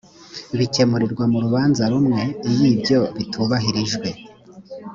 bikemurirwa mu rubanza rumwe iyo ibyo bitubahirijwe